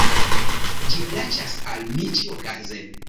Ĝi plaĉas al mi ĉiuokaze!